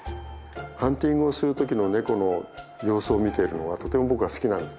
ハンティングをする時のネコの様子を見ているのがとても僕は好きなんです。